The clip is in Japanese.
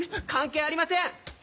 「関係ありません」